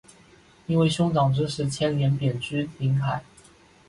因为兄长之事牵连贬居临海。